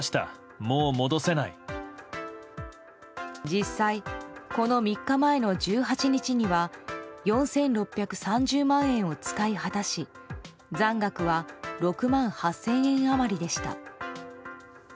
実際、この３日前の１８日には４６３０万円を使い果たし残額は６万８０００円余りでした。